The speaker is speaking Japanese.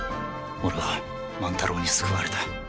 俺は万太郎に救われた。